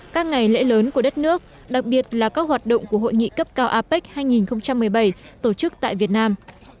các ngày lễ lớn của đất nước đặc biệt là các hoạt động của hội nghị cấp cao apec hai nghìn một mươi bảy tổ chức tại việt nam